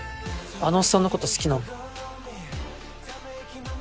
あのオッサンのこと好きなの？